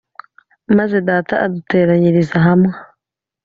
Maze data aduteranyiriza hamwa